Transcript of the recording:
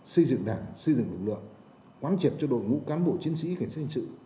xây dựng đảng xây dựng lực lượng quán triệt cho đội ngũ cán bộ chiến sĩ cảnh sát hình sự